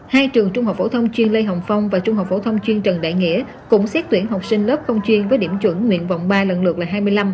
hai trường trung học phổ thông chuyên lê hồng phong và trung học phổ thông chuyên trần đại nghĩa cũng xét tuyển học sinh lớp không chuyên với điểm chuẩn nguyện vòng ba lần lượt là hai mươi năm hai mươi bốn năm